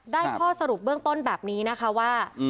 ข้อสรุปเบื้องต้นแบบนี้นะคะว่า